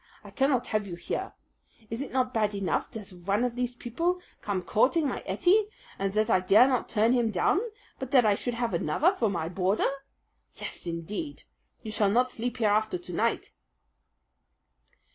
I cannot have you here. Is it not bad enough that one of these people come courting my Ettie, and that I dare not turn him down, but that I should have another for my boarder? Yes, indeed, you shall not sleep here after to night!"